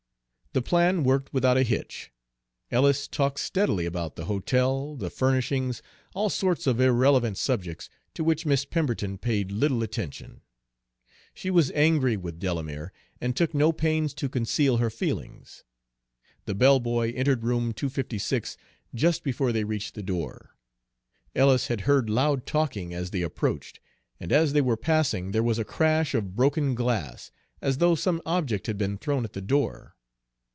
The plan worked without a hitch. Ellis talked steadily, about the hotel, the furnishings, all sorts of irrelevant subjects, to which Miss Pemberton paid little attention. She was angry with Delamere, and took no pains to conceal her feelings. The bell boy entered room 256 just before they reached the door. Ellis had heard loud talking as they approached, and as they were passing there was a crash of broken glass, as though some object had been thrown at the door.